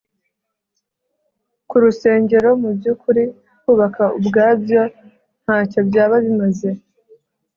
ku rusengero Mu by ukuri kubaka ubwabyo nta cyo byaba bimaze